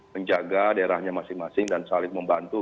menjaga daerahnya masing masing dan saling membantu